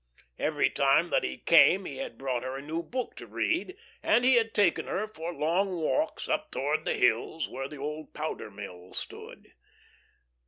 Every time that he came he had brought her a new book to read, and he had taken her for long walks up towards the hills where the old powder mill stood.